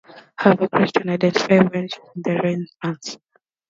However, Christian identity waned during the Renaissance.